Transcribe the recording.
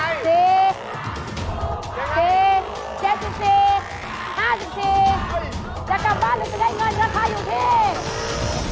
จะกลับบ้านหรือจะได้เงินราคาอยู่ที่